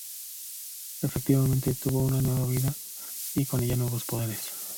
Efectivamente, obtuvo una nueva vida y con ella nuevos poderes.